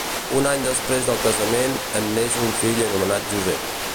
Un any després del casament en neix un fill anomenat Josep.